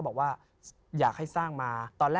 พระพุทธพิบูรณ์ท่านาภิรม